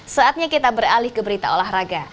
saatnya kita beralih ke berita olahraga